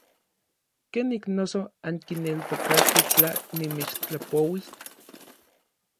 ¿Kenik noso ankineltokaskej tla nimechtlapouis?